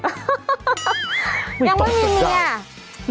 ไม่ต้องจัดการยังไม่มีเมีย